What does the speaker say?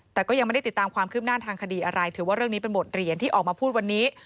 แต่ก็ยังไม่ได้ติดตามความคืบหน้าทางคดีอะไรถือว่าเรื่องนี้เป็นบทเรียนที่ออกมาพูดวันนี้